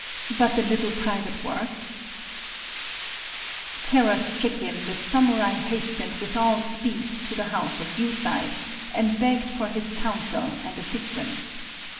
But the little private work…? Terror stricken, the samurai hastened with all speed to the house of Yusai, and begged for his counsel and assistance.